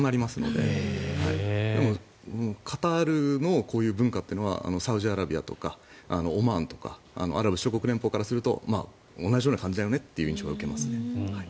でも、カタールの文化っていうのはサウジアラビアとかオマーンとかアラブ諸国連邦からすると同じような感じだよねという印象は受けますね。